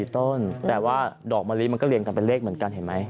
ต้นแต่ว่าดอกมะลิมันก็เรียงกันเป็นเลขเหมือนกันเห็นไหม